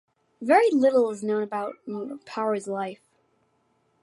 Very little is known about Power's life.